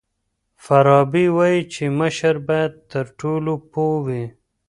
فارابي وایي چي مشر باید تر ټولو پوه وي.